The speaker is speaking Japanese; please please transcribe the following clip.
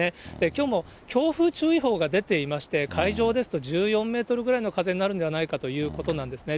きょうも強風注意報が出ていまして、海上ですと１４メートルぐらいの風になるのではないかということなんですね。